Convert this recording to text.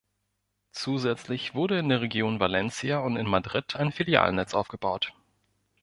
Zusätzlich wurde in der Region Valencia und in Madrid ein Filialnetz aufgebaut.